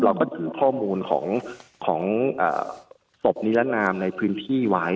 เราก็ถือข้อมูลของศพนิรนามในพื้นที่ไว้